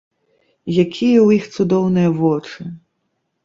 Якія ў іх цудоўныя вочы!